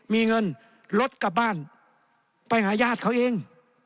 มีเงินรถกลับบ้านไปหาญาติเขาเอง